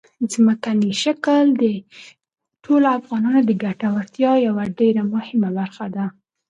ځمکنی شکل د ټولو افغانانو د ګټورتیا یوه ډېره مهمه برخه ده.